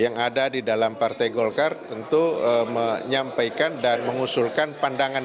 yang ada di dalam partai golkar tentu menyampaikan dan mengusulkan pandangan